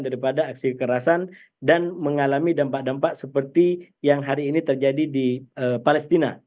daripada aksi kekerasan dan mengalami dampak dampak seperti yang hari ini terjadi di palestina